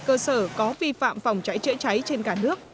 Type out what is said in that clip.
cơ sở có vi phạm phòng cháy chữa cháy trên cả nước